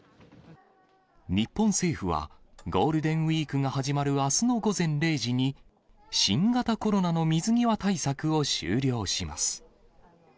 日本政府は、ゴールデンウィークが始まるあすの午前０時に、新型コロナの水際対策を終了します。